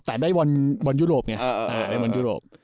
แต่ได้วันยุโรปเนี่ย